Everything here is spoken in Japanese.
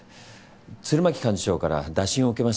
鶴巻幹事長から打診を受けまして。